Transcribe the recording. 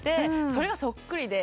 それがそっくりで。